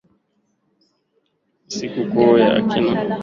ni siku kuu ya akina baba.